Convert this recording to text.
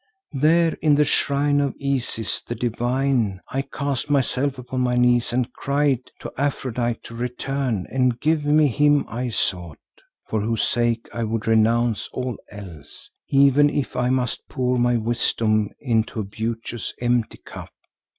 There in the shrine of Isis the divine I cast myself upon my knees and cried to Aphrodite to return and give me him I sought, for whose sake I would renounce all else, even if I must pour my wisdom into a beauteous, empty cup.